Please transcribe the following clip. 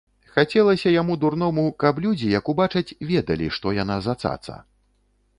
Хацелася яму, дурному, каб людзі, як убачаць, ведалі, што яна за цаца.